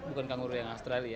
tapi bukan kanguru yang australia